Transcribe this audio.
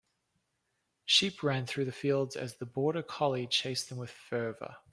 Sheep ran through the fields as the border collie chased them with fervor.